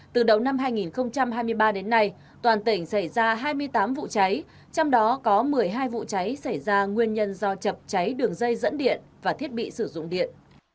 từ đầu năm hai nghìn hai mươi ba đến nay toàn tỉnh xảy ra hai mươi tám vụ cháy trong đó có một mươi hai vụ cháy xảy ra nguyên nhân do chập cháy đường dây dẫn điện và thiết bị sử dụng điện